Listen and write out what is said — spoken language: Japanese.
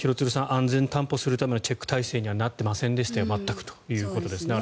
安全を担保するためのチェック体制にはなっていませんでした全くということですね。